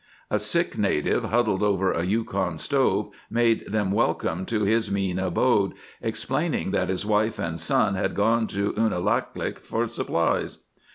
A sick native, huddled over a Yukon stove, made them welcome to his mean abode, explaining that his wife and son had gone to Unalaklik for supplies.